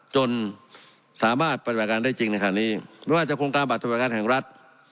จนสามารถปฏิบัติการได้จริงในขณะนี้ไม่ว่าจะโครงการบัตรสวัสดิการแห่งรัฐ